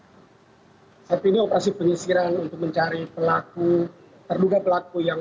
ya saya bisa menceritakan